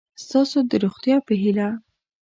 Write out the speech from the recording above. ستاسو د روغتیا په هیله